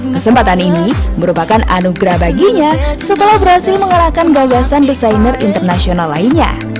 kesempatan ini merupakan anugerah baginya setelah berhasil mengalahkan gagasan desainer internasional lainnya